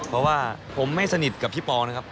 เพราะว่าผมไม่สนิทกับพี่ปองนะครับ